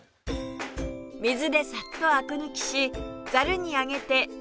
水でさっとアク抜きしざるに上げて水気を切ります